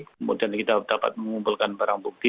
kemudian kita dapat mengumpulkan barang bukti